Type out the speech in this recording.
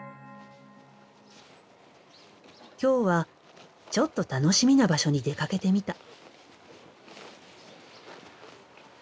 今日はちょっと楽しみな場所に出かけてみた。